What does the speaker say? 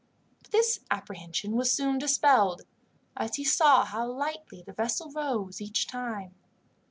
But this apprehension was soon dispelled, as he saw how lightly the vessel rose each time.